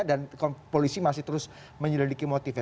dan polisi masih terus menyelidiki motifnya